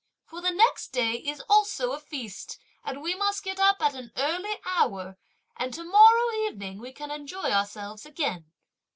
for the next day is also a feast, and we must get up at an early hour; and to morrow evening we can enjoy ourselves again!"